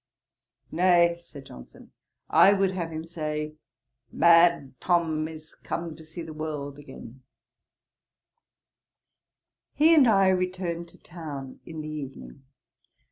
'Nay, (said Johnson,) I would have him to say, "Mad Tom is come to see the world again."' He and I returned to town in the evening.